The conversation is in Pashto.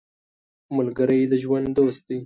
ملګری د ژوند دوست دی